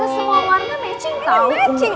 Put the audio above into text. ini semua warna matching